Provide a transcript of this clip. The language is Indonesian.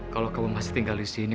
kalau kamu masih tinggal disini